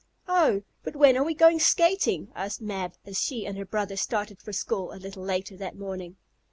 "Oh, but when are we going skating?" asked Mab, as she and her brother started for school, a little later that morning.